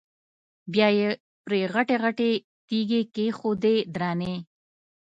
بیا یې پرې غټې غټې تیږې کېښودې درنې.